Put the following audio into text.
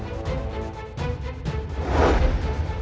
hidup gagal hidup gagal